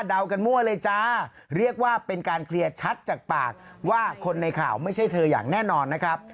กันมั่วเลยจ้าเรียกว่าเป็นการเคลียร์ชัดจากปากว่าคนในข่าวไม่ใช่เธออย่างแน่นอนนะครับ